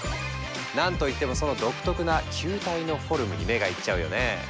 なんといってもその独特な球体のフォルムに目がいっちゃうよね。